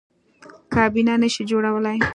کابینه نه شي جوړولی.